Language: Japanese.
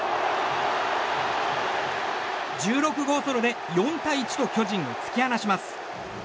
１６号ソロで４対１と巨人を突き放します。